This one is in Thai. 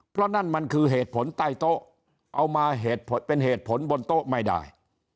เพราะนั่นมันคือเหตุผลใต้โต๊ะเอามาเป็นเหตุผลบนโต๊ะไม่ได้